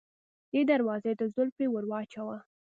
دې دروازې ته زولفی ور واچوه.